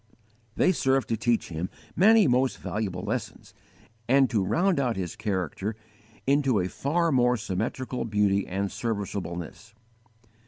They serve to teach him many most valuable lessons, and to round out his character into a far more symmetrical beauty and serviceableness.